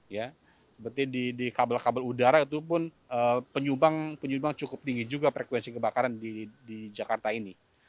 seperti di kabel kabel udara itu pun penyumbang cukup tinggi juga frekuensi kebakaran di jakarta ini